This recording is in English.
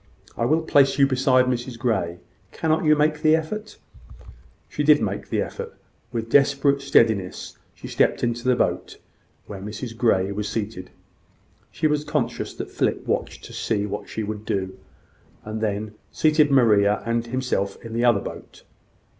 I will place you beside Mrs Grey. Cannot you make the effort?" She did make the effort. With desperate steadiness she stepped into the boat where Mrs Grey was seated. She was conscious that Philip watched to see what she would do, and then seated Maria and himself in the other boat.